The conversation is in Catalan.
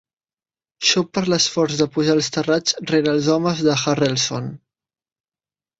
Xop per l'esforç de pujar als terrats rere els homes de Harrelson.